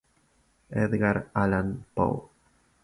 Edgar Allan Poe.